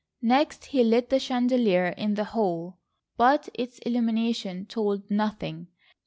Next he lit the chandelier in the hall, but its illumination told nothing.